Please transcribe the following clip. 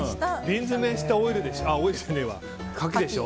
瓶詰めしたカキでしょ？